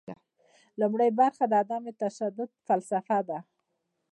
لومړۍ برخه د عدم تشدد فلسفه ده.